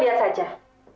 siapa yang akan